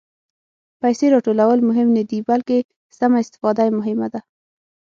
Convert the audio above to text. پېسې راټولول مهم نه دي، بلکې سمه استفاده یې مهمه ده.